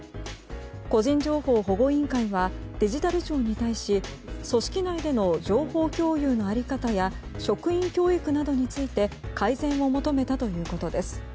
個人情報保護委員会はデジタル庁に対し、組織内での情報共有の在り方や職員教育について改善を求めたということです。